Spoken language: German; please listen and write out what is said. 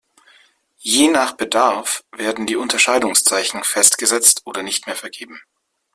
Je nach Bedarf werden die Unterscheidungszeichen festgesetzt oder nicht mehr vergeben.